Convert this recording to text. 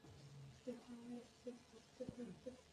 তখন স্থিরচিত্তে সমস্ত ঘটনা একবার আলোচনা করিয়া দেখিলেন।